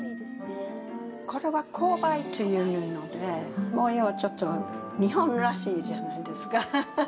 これは紅梅っていう布で模様は、ちょっと日本らしいじゃないですか。